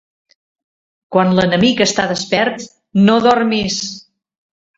Quan l'enemic està despert, no dormis.